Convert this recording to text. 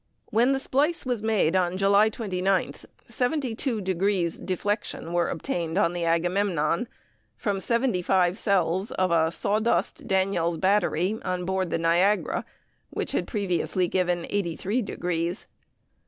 When the splice was made on July 29th, 72 degrees deflection were obtained on the Agamemnon, from seventy five cells of a sawdust (Daniell's) battery on board the Niagara, which had previously given 83 degrees.